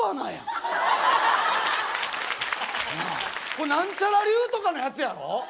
これなんちゃら流とかのやつやろ？